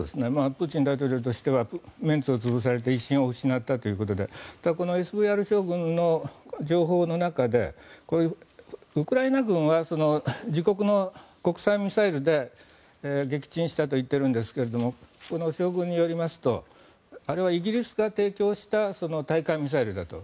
プーチン大統領としてはメンツを潰されて威信を失ったということでこのＳＶＲ将軍の情報の中でウクライナ軍は自国の国産ミサイルで撃沈したといっているんですがこの将軍によりますとあれはイギリスが提供した対艦ミサイルだと。